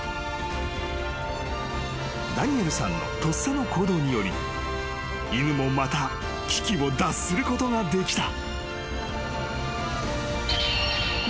［ダニエルさんのとっさの行動により犬もまた危機を脱することができた］